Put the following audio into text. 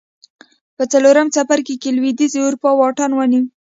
په څلورم څپرکي کې لوېدیځې اروپا واټن ونیو